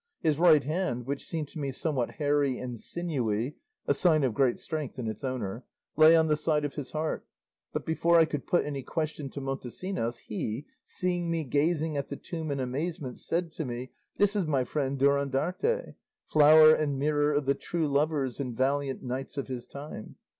His right hand (which seemed to me somewhat hairy and sinewy, a sign of great strength in its owner) lay on the side of his heart; but before I could put any question to Montesinos, he, seeing me gazing at the tomb in amazement, said to me, 'This is my friend Durandarte, flower and mirror of the true lovers and valiant knights of his time.